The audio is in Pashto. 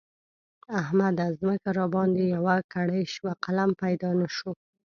احمده! ځمکه راباندې يوه کړۍ شوه؛ قلم پيدا نه شو.